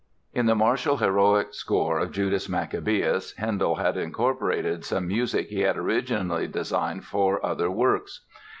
] In the martial, heroic score of "Judas Maccabaeus" Handel had incorporated some music he had originally designed for other works.